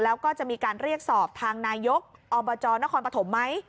แล้วก็จะมีการเรียกสอบทางนายกอบจนครปฐมไหม